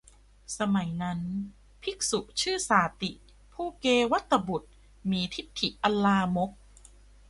สมัยนั้น ภิกษุชื่อสาติ ผู้เกวัฏฏบุตร มีทิฏฐิอันลามก